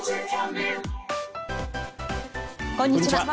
こんにちは。